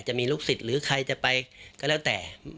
จะมีลูกศิษย์หรือใครจะไปก็แล้วแต่